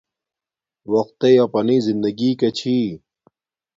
وقت تݵ اپانݵ زندگی کا چھی